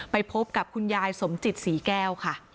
ไปพบกับคุณยายสมจิตศรีแก้วค่ะ